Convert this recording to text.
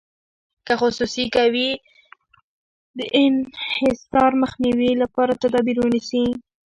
که خصوصي کوي د انحصار مخنیوي لپاره تدابیر ونیسي.